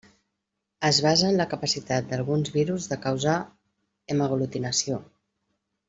Es basa en la capacitat d’alguns virus de causar hemaglutinació.